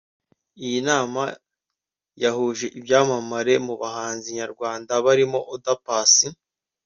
Iyi nama yahuje ibyamamare mu bahanzi nyarwanda barimo Oda Paccy